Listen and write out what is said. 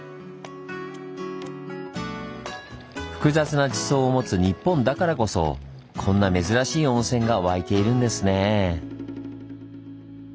複雑な地層を持つ日本だからこそこんな珍しい温泉が湧いているんですねぇ。